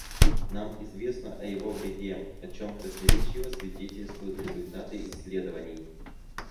Нам известно о его вреде, о чем красноречиво свидетельствуют результаты исследований.